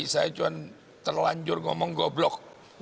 saya cuma terlanjur ngomong goblok